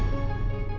kami kena tipu